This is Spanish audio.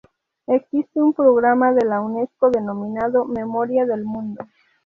Existe un programa de la Unesco denominado Memoria del Mundo.